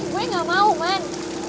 gue gak mau man